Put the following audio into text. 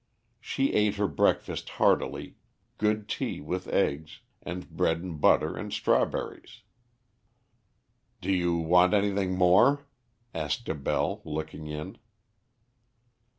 She ate her breakfast heartily good tea, with eggs, and bread and butter and strawberries. "Do you want anything more?" asked Abell, looking in.